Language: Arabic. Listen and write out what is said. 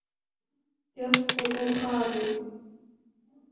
يَسْقُطُ الْخَادِمُ.